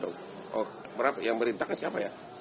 oh yang merintahkan siapa ya